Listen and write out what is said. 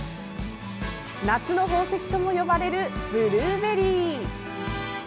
夏の宝石とも呼ばれるブルーベリー。